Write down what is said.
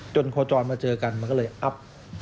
โคจรมาเจอกันมันก็เลยอัพ